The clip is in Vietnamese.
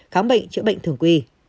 khám bệnh chữa bệnh thường quy